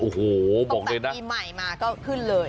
ตั้งแต่ปีใหม่มาก็ขึ้นเลย